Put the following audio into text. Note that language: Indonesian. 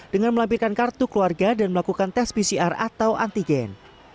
dengan melampirkan kartu keluarga dan melakukan tes pcr atau antigen